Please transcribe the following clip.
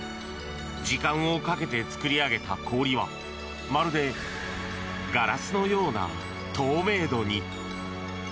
時間をかけて作り上げた氷はまるでガラスのような透明度に。